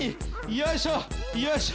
よいしょよいしょ。